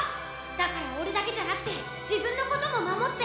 だから俺だけじゃなくて自分のことも守って！